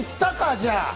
じゃあ。